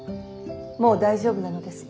もう大丈夫なのですか。